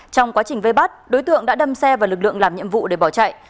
trong quá trình vây bắt đối tượng đã đâm xe vào lực lượng làm nhiệm vụ để bỏ chạy